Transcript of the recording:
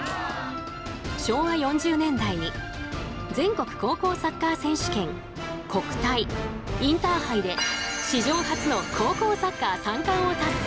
昭和４０年代に全国高校サッカー選手権国体、インターハイで史上初の高校サッカー３冠を達成。